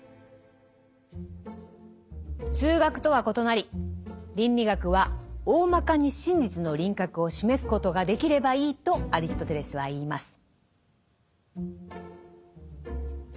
数学とは異なり倫理学は「おおまかに真実の輪郭を示すことができればいい」とアリストテレスは言います。